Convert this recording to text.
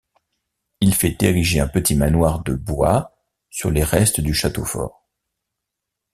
Il fait ériger un petit manoir de bois sur les restes du château fort.